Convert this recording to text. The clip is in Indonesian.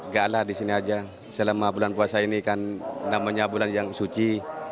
gak lah disini aja selama bulan puasa ini kan namanya bulan yang suci